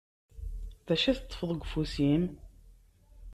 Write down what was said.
D acu i teṭṭfeḍ deg ufus-im?